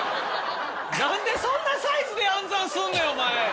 何でそんなサイズで暗算すんねんお前。